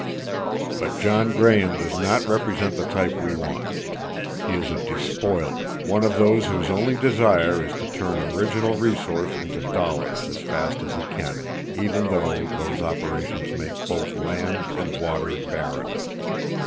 "But John Graham does not represent the type we want. He is a despoiler, one of those whose only desire is to turn original resource into dollars as fast as he can, even though those operations make both land and water barren.